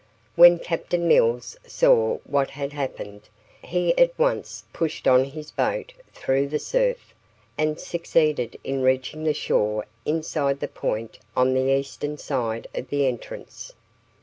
When Captain Mills saw what had happened, he at once pushed on his boat through the surf and succeeded in reaching the shore inside the point on the eastern side of the entrance.